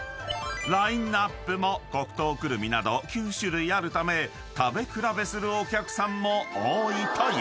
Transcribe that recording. ［ラインアップも黒糖くるみなど９種類あるため食べ比べするお客さんも多いという］